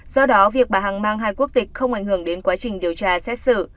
do đó việc bà hằng mang hai quốc tịch không ảnh hưởng đến quá trình điều tra xét xử